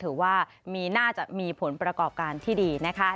ถือว่าน่าจะมีผลประกอบการที่ดีนะคะ